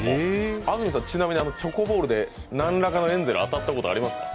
安住さん、ちなみにチョコボールでなんらかのエンゼル当たったことありますか。